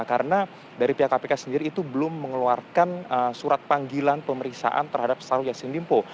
karena dari pihak kpk sendiri itu belum mengeluarkan surat panggilan pemeriksaan terhadap syahrul yassin limpo